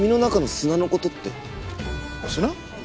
砂？